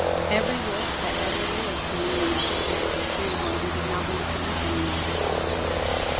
Every wolf that ever lived knew enough to bury his food when he did not want to eat any more.